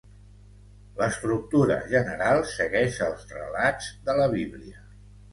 L'estructura general segueix els relats de la Bíblia.